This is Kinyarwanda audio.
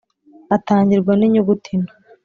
atangirwa ni nyuguti nto,